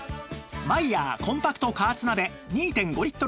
マイヤーコンパクト加圧鍋 ２．５ リットルタイプ